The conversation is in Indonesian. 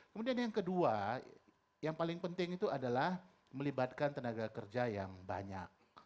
kemudian yang kedua yang paling penting itu adalah melibatkan tenaga kerja yang banyak